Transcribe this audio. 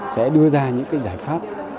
sẽ đưa ra những cái giải pháp